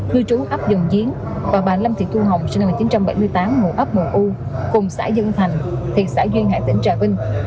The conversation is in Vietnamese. nơi trú ấp dùng diến và bà lâm thị tu hồng sinh năm một nghìn chín trăm bảy mươi tám ngụ ấp mùa u cùng xã dân thành thị xã duyên hải tỉnh trà vinh